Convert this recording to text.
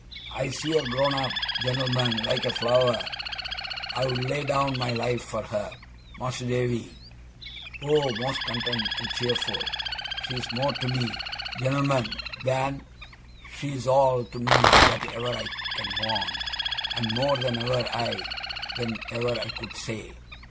I see her grown up gent'lmen like a flower. I'd lay down my life for her Mas'r Davy Oh! most content and cheerful! She's more to me gent'lmen than she's all to me that ever I can want, and more than ever I than ever I could say.